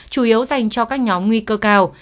chủ yếu dành cho các nhóm nguy cơ cao